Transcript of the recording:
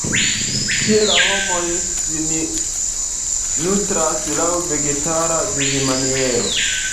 Tie la homoj sin nutras laŭ vegetara vivmaniero.